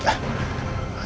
ada apa pak